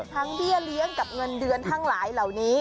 เบี้ยเลี้ยงกับเงินเดือนทั้งหลายเหล่านี้